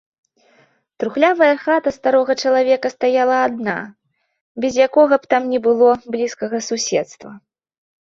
Трухлявая хата старога чалавека стаяла адна, без якога б там ні было блізкага суседства.